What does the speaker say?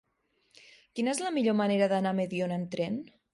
Quina és la millor manera d'anar a Mediona amb tren?